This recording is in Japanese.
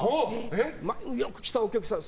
よく来たお客さん。